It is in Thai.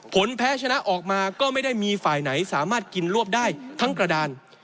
ผลแพ้ชนะออกมาก็ไม่ได้มีฝ่ายไหนสามารถกินรวบได้ทั้งกระดาน